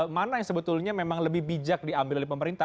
mana yang sebetulnya memang lebih bijak diambil oleh pemerintah